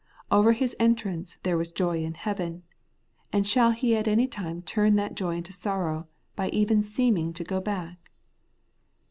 Over his en trance there was joy in heaven ; and shall he at any time turn that joy into sorrow by even seeming to go back